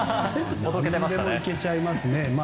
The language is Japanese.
何でもいけちゃいますね。